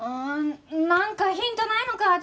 なんかヒントないのか？